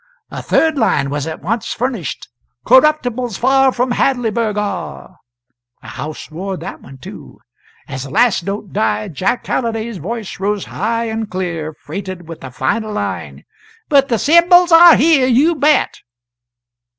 A third line was at once furnished "Corruptibles far from Hadleyburg are " The house roared that one too. As the last note died, Jack Halliday's voice rose high and clear, freighted with a final line "But the Symbols are here, you bet!"